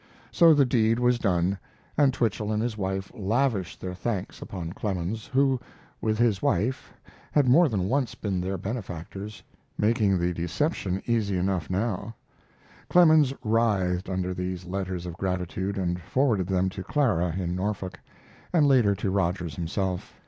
So the deed was done, and Twichell and his wife lavished their thanks upon Clemens, who, with his wife, had more than once been their benefactors, making the deception easy enough now. Clemens writhed under these letters of gratitude, and forwarded them to Clara in Norfolk, and later to Rogers himself.